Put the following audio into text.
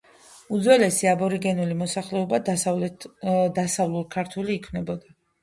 უძველესი აბორიგენული მოსახლეობა დასავლურ-ქართული იქნებოდა.